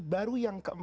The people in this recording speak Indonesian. baru yang kemarin